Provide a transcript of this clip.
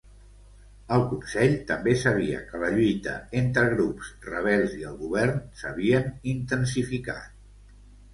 El Consell també sabia que la lluita entre grups rebels i el govern s'havien intensificat.